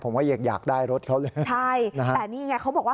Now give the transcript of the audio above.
ผมว่าอยากอยากได้รถเขาเลยใช่แต่นี่ไงเขาบอกว่า